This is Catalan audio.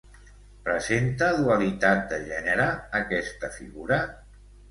Presenta dualitat de gènere aquesta figura?